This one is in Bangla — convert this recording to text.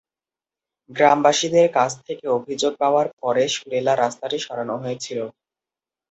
গ্রামবাসীদের কাছ থেকে অভিযোগ পাওয়ার পরে সুরেলা রাস্তাটি সরানো হয়েছিল।